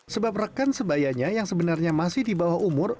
sebab rekan sebayanya yang sebenarnya masih di bawah umur